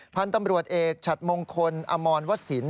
พันธุ์ตำรวจเอกฉัดมงคลอมรวสิน